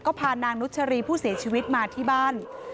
ก็พานางนุชรีผู้เสียชีวิตมาที่บ้าน